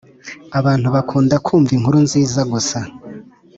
Abantu bakunda kumva inkuru nziza gusa